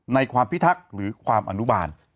ในความพิทักษ์หรือความอนุบาล